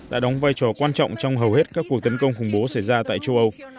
đã đóng vai trò quan trọng trong hầu hết các cuộc tấn công khủng bố xảy ra tại châu âu